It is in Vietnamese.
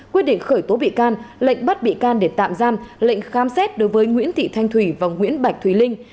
quyết định khởi tố bị can lệnh bắt bị can để tạm giam lệnh khám xét đối với nguyễn thị thanh thủy và nguyễn bạch thùy linh